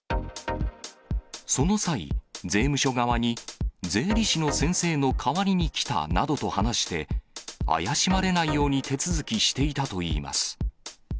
その際、税務署側に、税理士の先生の代わりに来たなどと話して、怪しまれないように手続きしていたといいます。